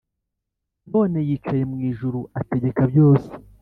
None yicaye mw ijuru, Ategeka byose,